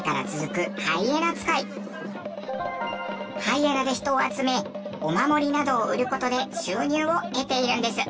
ハイエナで人を集めお守りなどを売る事で収入を得ているんです。